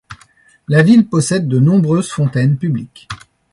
La ville possède de nombreuses fontaines publiques.